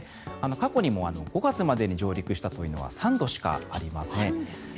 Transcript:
過去にも５月までに上陸したというのは３度しかありません。